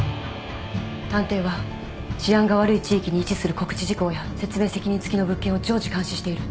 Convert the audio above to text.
探偵は治安が悪い地域に位置する告知事項や説明責任付きの物件を常時監視している。